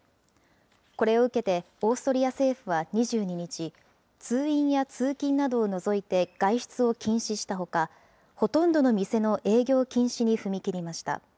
これを受けてオーストリア政府は２２日、通院や通勤などを除いて外出を禁止したほか、ほとんどの店の営業禁止に踏み切りました。